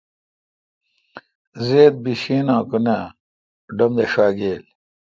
زیدہ بیشین اں کہ نہ ڈم داݭاگیل۔